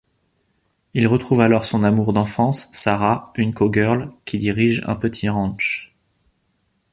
Il retrouve alors son amour d'enfance, Sarah, une cowgirl qui dirige un petit ranch.